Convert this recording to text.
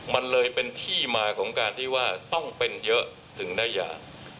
มันเลยเป็นที่มาของการที่ว่าต้องเป็นเยอะถึงได้ยา